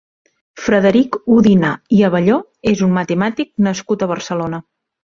Frederic Udina i Abelló és un matemàtic nascut a Barcelona.